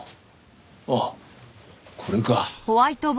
あっこれか。